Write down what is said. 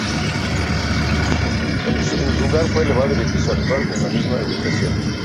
En su lugar fue levantado el edificio actual en la misma ubicación.